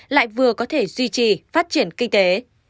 lại vừa có thể duy trì phát triển kinh tế